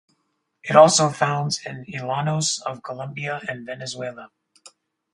It also founds in llanos of Colombia and Venezuela.